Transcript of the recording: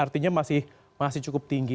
artinya masih cukup tinggi